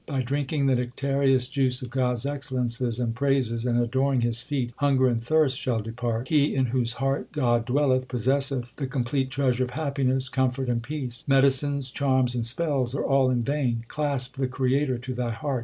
By drinking the nectareous juice of God s excellences and praises And adoring His feet, hunger and thirst shall depart. He in whose heart God dwelleth, Possesseth the complete treasure of happiness, comfort, and peace. Medicines, charms, and spells are all in vain : Clasp the Creator to thy heart.